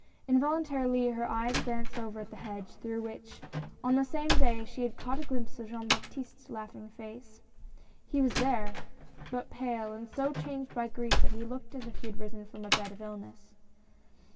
Involuntarily her eyes glanced over at the hedge, through which, on the same day, she had caught a glimpse of Jean Baptiste's laughing face. He was there ! but pale and so changed by grief that he looked as if he had risen from a bed of illness.